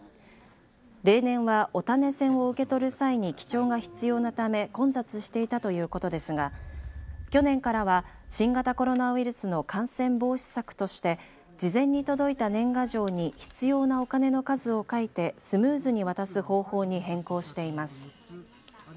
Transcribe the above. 例年はお種銭を受け取る際に記帳が必要なため混雑していたということですが去年からは新型コロナウイルスの感染防止策として事前に届いた年賀状に必要なお金の数を書いてスムーズに渡す方法に変更しています。